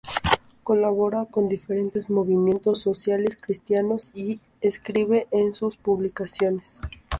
Colabora con diferentes movimientos sociales cristianos y escribe en sus publicaciones.